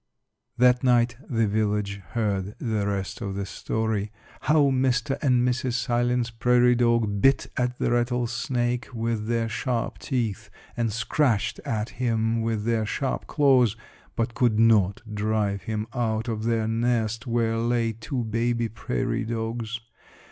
That night the village heard the rest of the story how Mr. and Mrs. Silence Prairie Dog bit at the rattlesnake with their sharp teeth and scratched at him with their sharp claws, but could not drive him out of their nest where lay two baby prairie dogs.